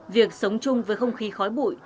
việc sống chung với không khí khói bụi